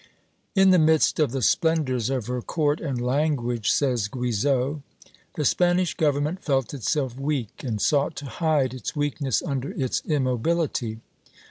"In the midst of the splendors of her court and language," says Guizot, "the Spanish government felt itself weak, and sought to hide its weakness under its immobility.